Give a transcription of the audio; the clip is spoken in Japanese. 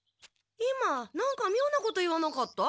今なんかみょうなこと言わなかった？